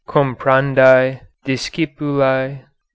Comparandae . Discipulae